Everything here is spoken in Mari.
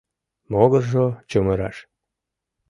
Могыржо чумыраш.